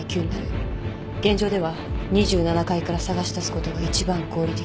現状では２７階から捜し出すことが一番合理的。